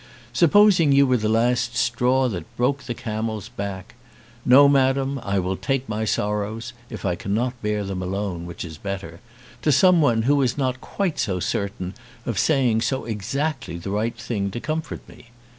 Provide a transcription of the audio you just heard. Supposing you were the last straw that broke the camel's back! No, Madam, I will take my sorrows (if I cannot bear them alone, which is better) to someone who is not quite so certain of saying so exactly the right thing to comfort me.